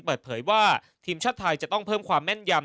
เปิดเผยว่าทีมชาติไทยจะต้องเพิ่มความแม่นยำ